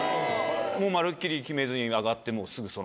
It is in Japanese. もうまるっきり決めずに上がって。